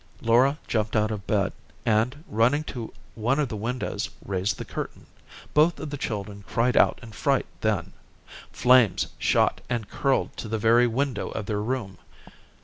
Laura jumped out of bed, and, running to one of the windows, raised the curtain. Both of the children cried out in fright then. Flames shot and curled to the very window of their room.